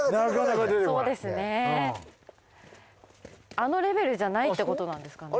あのレベルじゃないってことなんですかね？